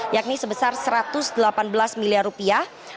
yakni sebesar satu ratus delapan belas miliar rupiah